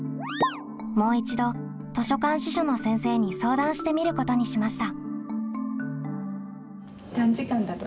もう一度図書館司書の先生に相談してみることにしました。